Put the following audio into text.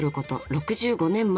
６５年前。